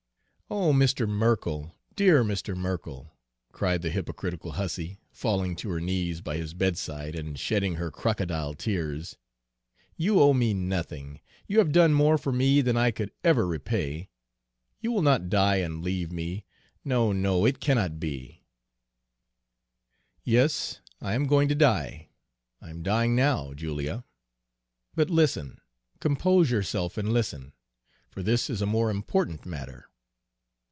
"'Oh, Mr. Merkell, dear Mr. Merkell,' cried the hypocritical hussy, falling to her knees by his bedside, and shedding her crocodile tears, 'you owe me nothing. You have done more for me than I could ever repay. You will not die and leave me, no, no, it cannot be!' "'Yes, I am going to die, I am dying now, Julia. But listen, compose yourself and listen, for this is a more important matter.